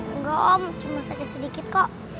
enggak om cuma sakit sedikit kok